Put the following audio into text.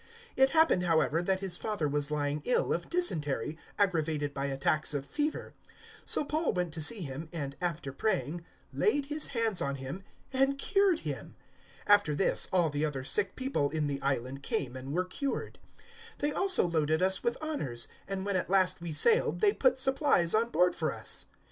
028:008 It happened, however, that his father was lying ill of dysentery aggravated by attacks of fever; so Paul went to see him, and, after praying, laid his hands on him and cured him. 028:009 After this, all the other sick people in the island came and were cured. 028:010 They also loaded us with honours, and when at last we sailed they put supplies on board for us.